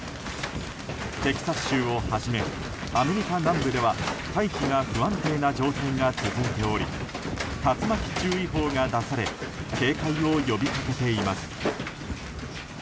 テキサス州をはじめアメリカ南部では大気が不安定な状態が続いており竜巻注意報が出され警戒を呼びかけています。